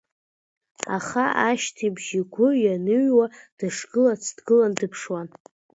Аха ашьҭыбжь игәы ианыҩуа, дышгылац дгылан дыԥшуан.